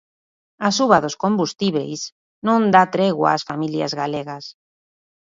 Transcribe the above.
A suba dos combustíbeis non dá tregua ás familias galegas.